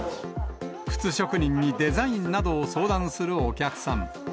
靴職人にデザインなどを相談するお客さん。